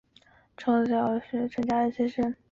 创校校长为陈加恩先生。